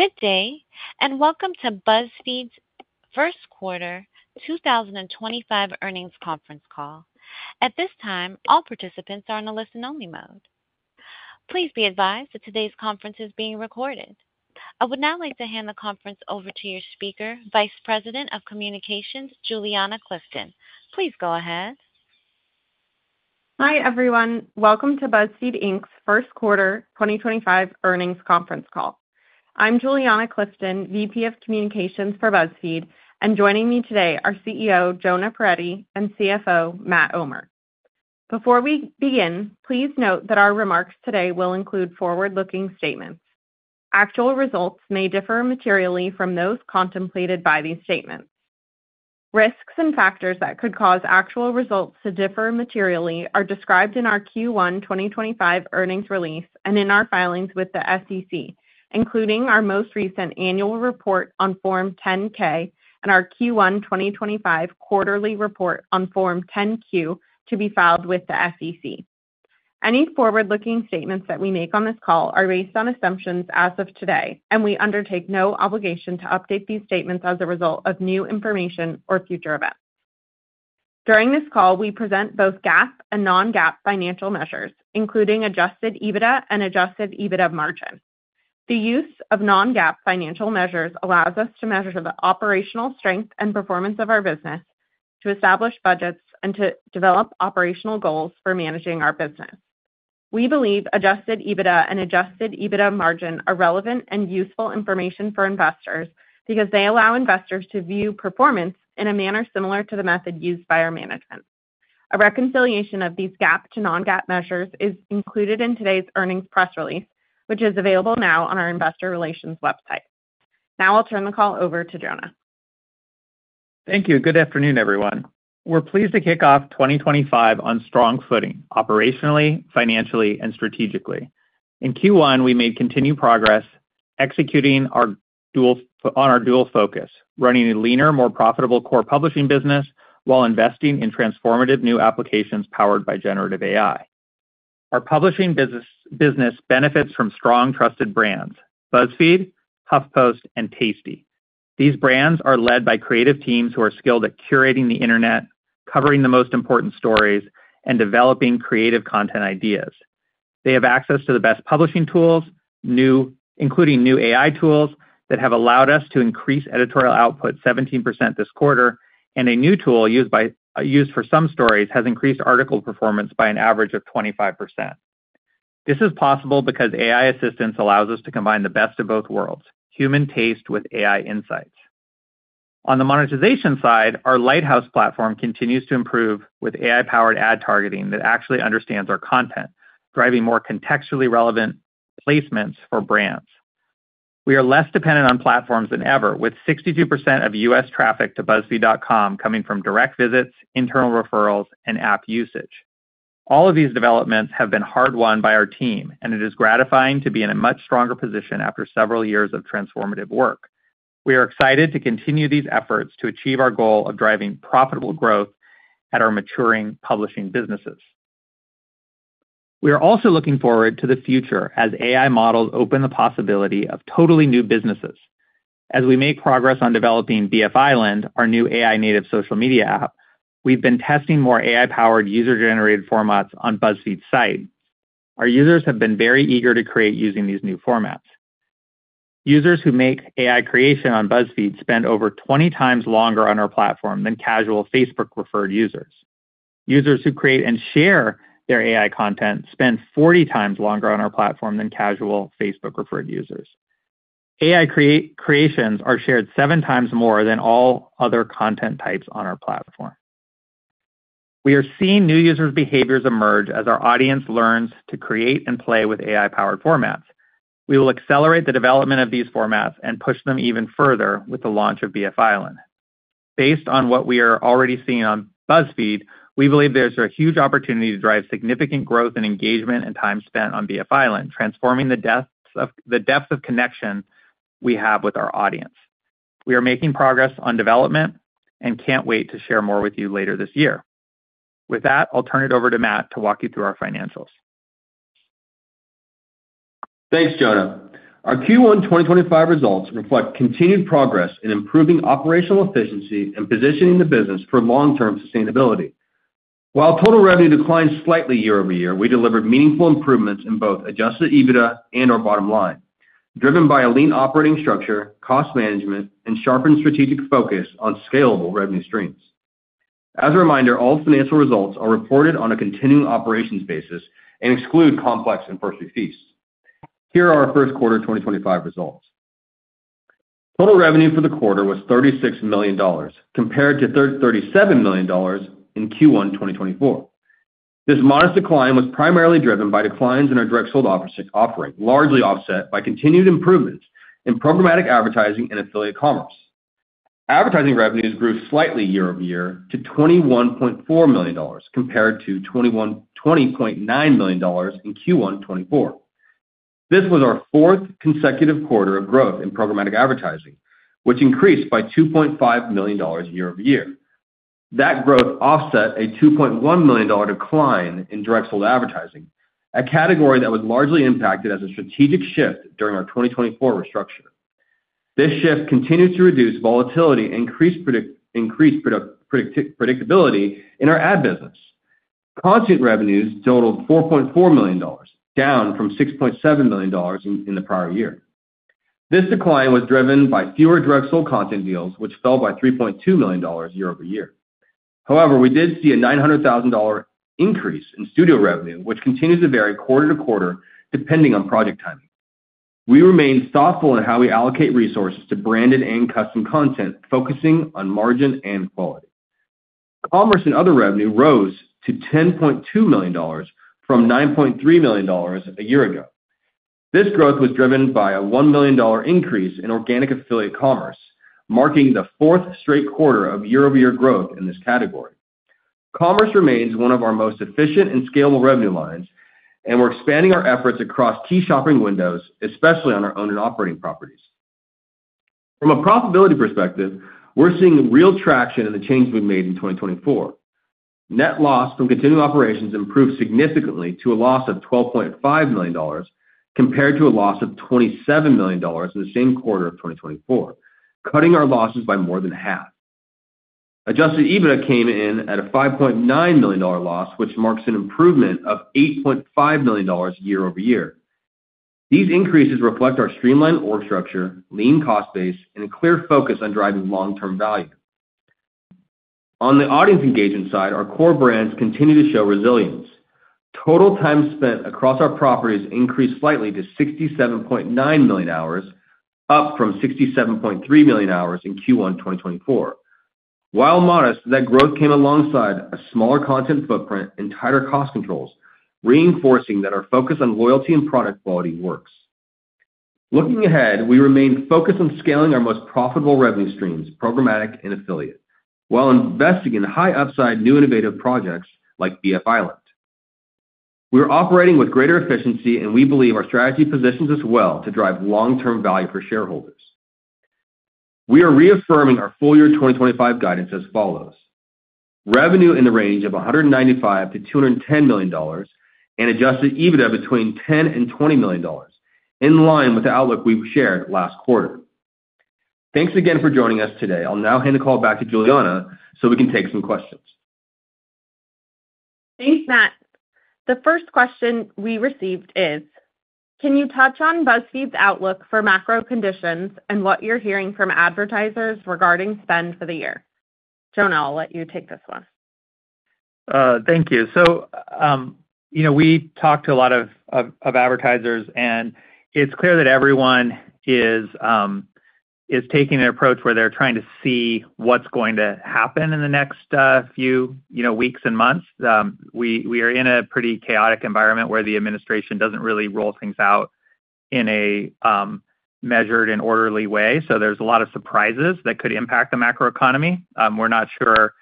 Good day, and welcome to BuzzFeed's first quarter 2025 earnings conference call. At this time, all participants are in the listen-only mode. Please be advised that today's conference is being recorded. I would now like to hand the conference over to your speaker, Vice President of Communications, Juliana Clifton. Please go ahead. Hi everyone, welcome to BuzzFeed's first quarter 2025 earnings conference call. I'm Juliana Clifton, VP of Communications for BuzzFeed, and joining me today are CEO Jonah Peretti and CFO Matt Omer. Before we begin, please note that our remarks today will include forward-looking statements. Actual results may differ materially from those contemplated by these statements. Risks and factors that could cause actual results to differ materially are described in our Q1 2025 earnings release and in our filings with the SEC, including our most recent annual report on Form 10-K and our Q1 2025 quarterly report on Form 10-Q to be filed with the SEC. Any forward-looking statements that we make on this call are based on assumptions as of today, and we undertake no obligation to update these statements as a result of new information or future events. During this call, we present both GAAP and non-GAAP financial measures, including adjusted EBITDA and adjusted EBITDA margin. The use of non-GAAP financial measures allows us to measure the operational strength and performance of our business, to establish budgets, and to develop operational goals for managing our business. We believe adjusted EBITDA and adjusted EBITDA margin are relevant and useful information for investors because they allow investors to view performance in a manner similar to the method used by our management. A reconciliation of these GAAP to non-GAAP measures is included in today's earnings press release, which is available now on our investor relations website. Now I'll turn the call over to Jonah. Thank you. Good afternoon, everyone. We're pleased to kick off 2025 on strong footing operationally, financially, and strategically. In Q1, we made continued progress executing our dual focus, running a leaner, more profitable core publishing business while investing in transformative new applications powered by generative AI. Our publishing business benefits from strong, trusted brands: BuzzFeed, HuffPost, and Tasty. These brands are led by creative teams who are skilled at curating the internet, covering the most important stories, and developing creative content ideas. They have access to the best publishing tools, including new AI tools that have allowed us to increase editorial output 17% this quarter, and a new tool used for some stories has increased article performance by an average of 25%. This is possible because AI assistance allows us to combine the best of both worlds: human taste with AI insights. On the monetization side, our Lighthouse platform continues to improve with AI-powered ad targeting that actually understands our content, driving more contextually relevant placements for brands. We are less dependent on platforms than ever, with 62% of U.S. traffic to BuzzFeed.com coming from direct visits, internal referrals, and app usage. All of these developments have been hard-won by our team, and it is gratifying to be in a much stronger position after several years of transformative work. We are excited to continue these efforts to achieve our goal of driving profitable growth at our maturing publishing businesses. We are also looking forward to the future as AI models open the possibility of totally new businesses. As we make progress on developing BF Island, our new AI-native social media app, we've been testing more AI-powered user-generated formats on BuzzFeed's site. Our users have been very eager to create using these new formats. Users who make AI creation on BuzzFeed spend over 20 times longer on our platform than casual Facebook-referred users. Users who create and share their AI content spend 40 times longer on our platform than casual Facebook-referred users. AI creations are shared seven times more than all other content types on our platform. We are seeing new users' behaviors emerge as our audience learns to create and play with AI-powered formats. We will accelerate the development of these formats and push them even further with the launch of BF Island. Based on what we are already seeing on BuzzFeed, we believe there's a huge opportunity to drive significant growth in engagement and time spent on BF Island, transforming the depth of connection we have with our audience. We are making progress on development and can't wait to share more with you later this year. With that, I'll turn it over to Matt to walk you through our financials. Thanks, Jonah. Our Q1 2025 results reflect continued progress in improving operational efficiency and positioning the business for long-term sustainability. While total revenue declined slightly year over year, we delivered meaningful improvements in both adjusted EBITDA and our bottom line, driven by a lean operating structure, cost management, and sharpened strategic focus on scalable revenue streams. As a reminder, all financial results are reported on a continuing operations basis and exclude Complex and First We Feast. Here are our first quarter 2025 results. Total revenue for the quarter was $36 million, compared to $37 million in Q1 2024. This modest decline was primarily driven by declines in our direct-sold offering, largely offset by continued improvements in programmatic advertising and affiliate commerce. Advertising revenues grew slightly year over year to $21.4 million, compared to $20.9 million in Q1 2024. This was our fourth consecutive quarter of growth in programmatic advertising, which increased by $2.5 million year over year. That growth offset a $2.1 million decline in direct-sold advertising, a category that was largely impacted as a strategic shift during our 2024 restructure. This shift continued to reduce volatility and increase predictability in our ad business. Content revenues totaled $4.4 million, down from $6.7 million in the prior year. This decline was driven by fewer direct-sold content deals, which fell by $3.2 million year over year. However, we did see a $900,000 increase in studio revenue, which continues to vary quarter to quarter depending on project timing. We remained thoughtful in how we allocate resources to branded and custom content, focusing on margin and quality. Commerce and other revenue rose to $10.2 million from $9.3 million a year ago. This growth was driven by a $1 million increase in organic affiliate commerce, marking the fourth straight quarter of year-over-year growth in this category. Commerce remains one of our most efficient and scalable revenue lines, and we're expanding our efforts across key shopping windows, especially on our own and operating properties. From a profitability perspective, we're seeing real traction in the change we've made in 2024. Net loss from continuing operations improved significantly to a loss of $12.5 million compared to a loss of $27 million in the same quarter of 2024, cutting our losses by more than half. Adjusted EBITDA came in at a $5.9 million loss, which marks an improvement of $8.5 million year over year. These increases reflect our streamlined org structure, lean cost base, and a clear focus on driving long-term value. On the audience engagement side, our core brands continue to show resilience. Total time spent across our properties increased slightly to 67.9 million hours, up from 67.3 million hours in Q1 2024. While modest, that growth came alongside a smaller content footprint and tighter cost controls, reinforcing that our focus on loyalty and product quality works. Looking ahead, we remain focused on scaling our most profitable revenue streams, programmatic and affiliate, while investing in high-upside new innovative projects like BF Island. We are operating with greater efficiency, and we believe our strategy positions us well to drive long-term value for shareholders. We are reaffirming our full year 2025 guidance as follows: revenue in the range of $195million-$210 million and adjusted EBITDA between $10 million-$20 million, in line with the outlook we shared last quarter. Thanks again for joining us today. I'll now hand the call back to Juliana so we can take some questions. Thanks, Matt. The first question we received is, can you touch on BuzzFeed's outlook for macro conditions and what you're hearing from advertisers regarding spend for the year? Jonah, I'll let you take this one. Thank you. So we talked to a lot of advertisers, and it is clear that everyone is taking an approach where they are trying to see what is going to happen in the next few weeks and months. We are in a pretty chaotic environment where the administration does not really roll things out in a measured and orderly way, so there are a lot of surprises that could impact the macroeconomy. We are not sure,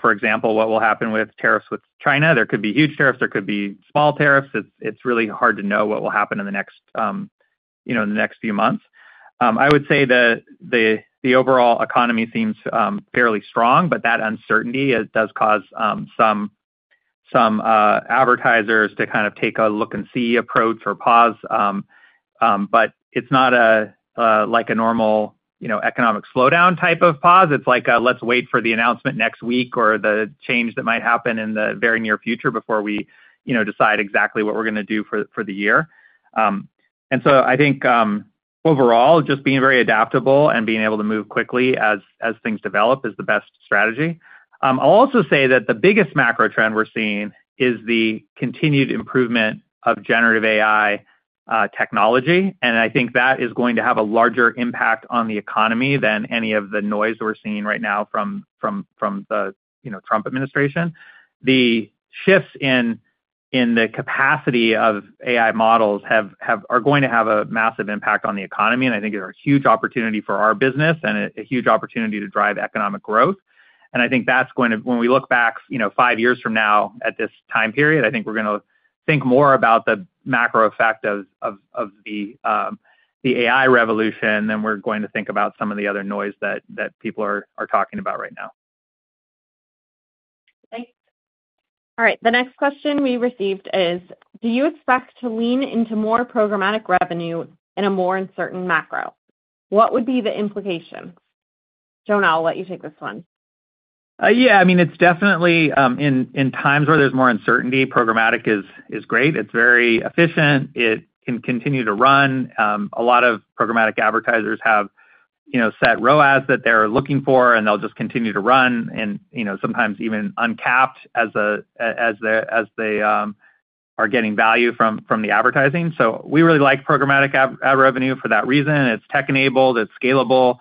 for example, what will happen with tariffs with China. There could be huge tariffs. There could be small tariffs. It is really hard to know what will happen in the next few months. I would say the overall economy seems fairly strong, but that uncertainty does cause some advertisers to kind of take a look-and-see approach or pause. It is not like a normal economic slowdown type of pause. It's like, let's wait for the announcement next week or the change that might happen in the very near future before we decide exactly what we're going to do for the year. I think overall, just being very adaptable and being able to move quickly as things develop is the best strategy. I'll also say that the biggest macro trend we're seeing is the continued improvement of generative AI technology, and I think that is going to have a larger impact on the economy than any of the noise we're seeing right now from the Trump administration. The shifts in the capacity of AI models are going to have a massive impact on the economy, and I think it's a huge opportunity for our business and a huge opportunity to drive economic growth. I think that's going to, when we look back five years from now at this time period, I think we're going to think more about the macro effect of the AI revolution than we're going to think about some of the other noise that people are talking about right now. Thanks. All right. The next question we received is, do you expect to lean into more programmatic revenue in a more uncertain macro? What would be the implications? Jonah, I'll let you take this one. Yeah. I mean, it's definitely in times where there's more uncertainty, programmatic is great. It's very efficient. It can continue to run. A lot of programmatic advertisers have set ROAS that they're looking for, and they'll just continue to run, and sometimes even uncapped as they are getting value from the advertising. We really like programmatic ad revenue for that reason. It's tech-enabled. It's scalable.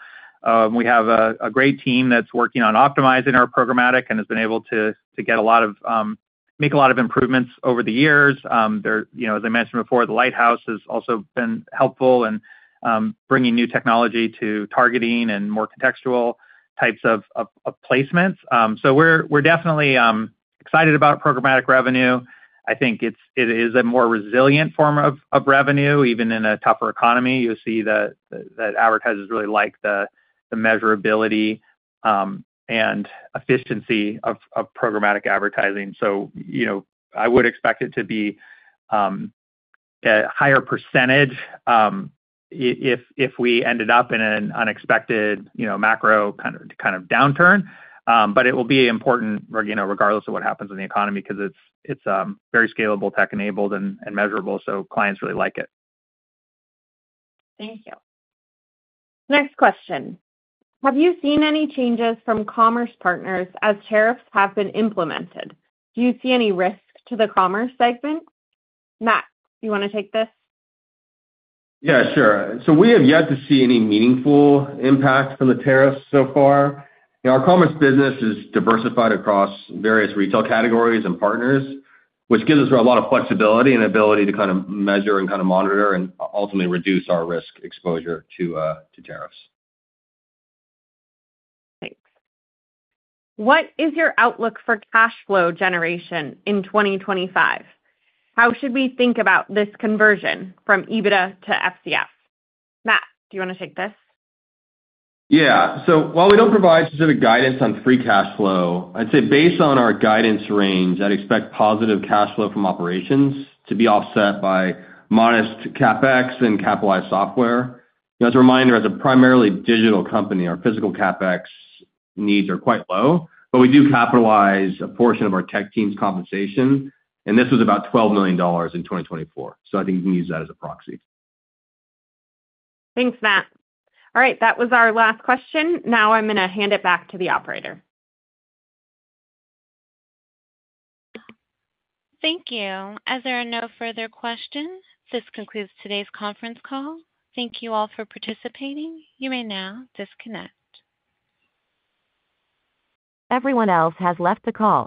We have a great team that's working on optimizing our programmatic and has been able to make a lot of improvements over the years. As I mentioned before, the Lighthouse has also been helpful in bringing new technology to targeting and more contextual types of placements. We're definitely excited about programmatic revenue. I think it is a more resilient form of revenue. Even in a tougher economy, you'll see that advertisers really like the measurability and efficiency of programmatic advertising. I would expect it to be a higher percentage if we ended up in an unexpected macro kind of downturn. It will be important regardless of what happens in the economy because it's very scalable, tech-enabled, and measurable, so clients really like it. Thank you. Next question. Have you seen any changes from commerce partners as tariffs have been implemented? Do you see any risk to the commerce segment? Matt, do you want to take this? Yeah, sure. We have yet to see any meaningful impact from the tariffs so far. Our commerce business is diversified across various retail categories and partners, which gives us a lot of flexibility and ability to kind of measure and kind of monitor and ultimately reduce our risk exposure to tariffs. Thanks. What is your outlook for cash flow generation in 2025? How should we think about this conversion from EBITDA to FCF? Matt, do you want to take this? Yeah. So while we don't provide specific guidance on free cash flow, I'd say based on our guidance range, I'd expect positive cash flow from operations to be offset by modest CapEx and capitalized software. As a reminder, as a primarily digital company, our physical CapEx needs are quite low, but we do capitalize a portion of our tech team's compensation, and this was about $12 million in 2024. So I think you can use that as a proxy. Thanks, Matt. All right. That was our last question. Now I'm going to hand it back to the operator. Thank you. As there are no further questions, this concludes today's conference call. Thank you all for participating. You may now disconnect. Everyone else has left the call.